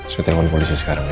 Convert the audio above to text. saya telepon polisi sekarang ya